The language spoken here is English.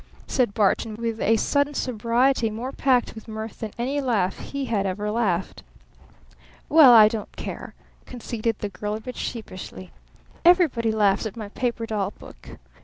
said Barton with a sudden sobriety more packed with mirth than any laugh he had ever laughed. "Well, I don't care," conceded the girl a bit sheepishly. "Everybody laughs at my paper doll book!